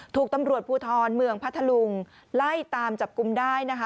ถูกตำรวจภูทรเมืองพัทธลุงไล่ตามจับกลุ่มได้นะคะ